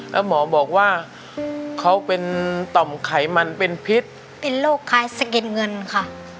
แล้วหมอบอกว่าเขาเป็นต่อมไขมันเป็นพิษเป็นโรคคล้ายสะเก็ดเงินค่ะ